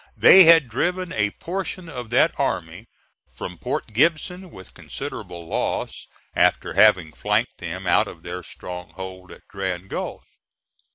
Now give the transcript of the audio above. They had driven a portion of that army from Port Gibson with considerable loss, after having flanked them out of their stronghold at Grand Gulf.